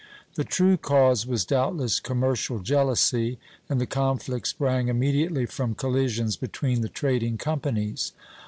The true cause was doubtless commercial jealousy, and the conflict sprang immediately from collisions between the trading companies.